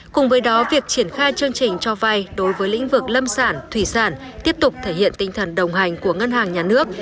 cùng với đó việc triển khai chương trình cho vai đối với lĩnh vực lâm sản thủy sản tiếp tục thể hiện tinh thần đồng hành của ngân hàng nhà nước